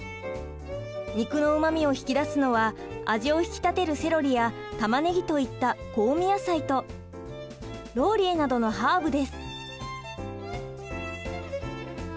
肉のうまみを引き出すのは味を引き立てるセロリや玉ねぎといった香味野菜とローリエなどのハーブです。